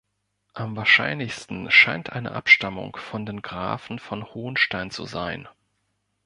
Am wahrscheinlichsten scheint eine Abstammung von den Grafen von Hohnstein zu sein.